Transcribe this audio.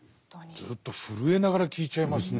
ずっと震えながら聴いちゃいますね。